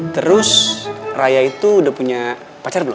terus raya itu udah punya pacar belum